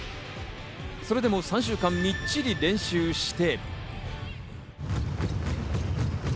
それでも３週間みっちり練習して。